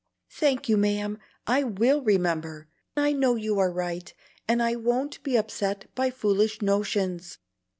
"Thank you, ma'am! I WILL remember; I know you are right, and I won't be upset by foolish notions.